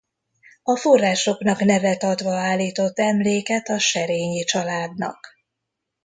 A forrásoknak nevet adva állított emléket a Serényi családnak.